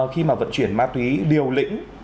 khi mà vận chuyển ma túy liều lĩnh